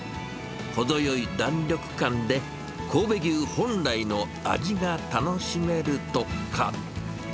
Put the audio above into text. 程よい弾力感で、神戸牛本来の味が楽しめるとか。